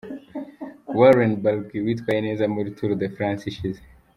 Warren Barguil witwaye neza muri Tour de France ishize.